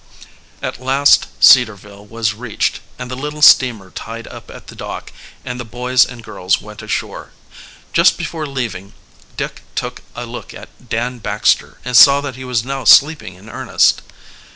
At last Cedarville was reached and the little steamer tied up at the dock, and the boys and girls went ashore. Just before leaving, Dick took a look at Dan Baxter and saw that he was now sleeping in earnest.